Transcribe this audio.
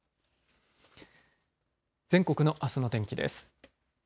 全国のあすの天気です。